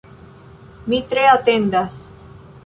Mi tre atendas.